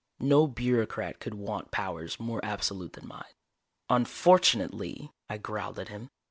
No bureaucrat could want powers more absolute than mine. "Unfortunately," I growled at him.